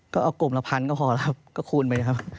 ก็เอากลมละพันก็พอครับก็คูณไปนะครับ